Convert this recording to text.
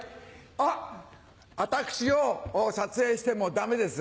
あっ私を撮影してもダメです。